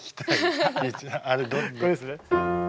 これですね？